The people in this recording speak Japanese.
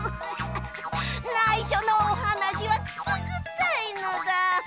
ないしょのおはなしはくすぐったいのだ。